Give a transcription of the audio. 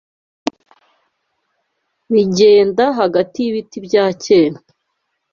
Rigenda hagati y'ibiti bya kera